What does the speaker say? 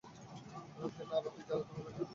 না, বাতি জ্বালাতে হবে না।